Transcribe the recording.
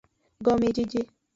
Gomejeje.